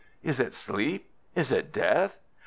Is it sleep? Is it death?